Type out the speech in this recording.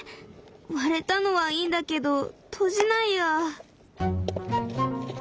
割れたのはいいんだけど閉じないや。